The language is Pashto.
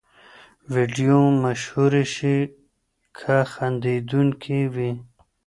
ویډیو مشهورې شي که خندوونکې وي.